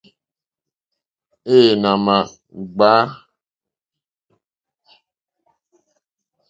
Εε nà ma jgba.